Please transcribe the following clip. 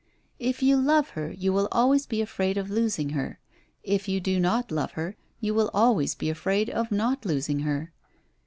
If you love her, you will always be afraid of losing her; if you do not love her, you will always be afraid of not losing her.